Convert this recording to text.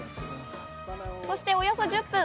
そしておよそ１０分。